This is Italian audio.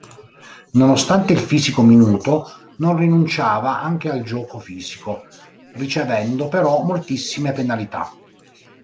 Nonostante il fisico minuto non rinunciava anche al gioco fisico ricevendo però moltissime penalità.